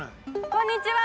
こんにちは！